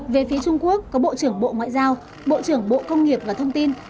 về phía trung quốc có bộ trưởng bộ ngoại giao bộ trưởng bộ công nghiệp và thông tin